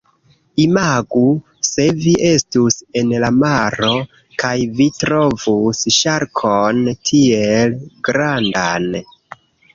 Imagu se vi estus en la maro, kaj vi trovus ŝarkon tiel grandan.